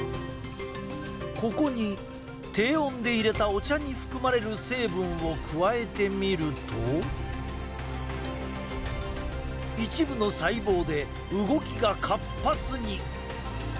ここに低温でいれたお茶に含まれる成分を加えてみると一部の細胞で動きが活発に。